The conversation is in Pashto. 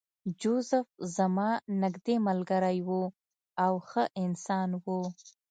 جوزف زما نږدې ملګری و او ښه انسان و